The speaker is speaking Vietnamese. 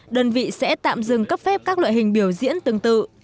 đơn vị sẽ tạm dừng cấp phép các loại hình biểu diễn tương tự